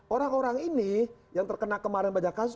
orang orang ini yang terkena kemarin banyak kasus